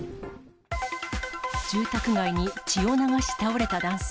住宅街に血を流し倒れた男性。